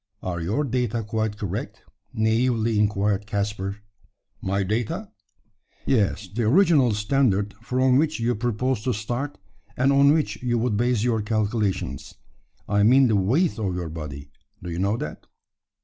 "Are your data quite correct?" naively inquired Caspar. "My data!" "Yes the original standard from which you propose to start, and on which you would base your calculations. I mean the weight of your body. Do you know that?"